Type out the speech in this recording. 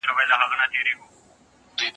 زه باید اوبه وڅښم،